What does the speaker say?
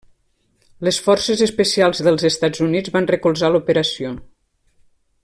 Les Forces Especials dels Estats Units van recolzar l'operació.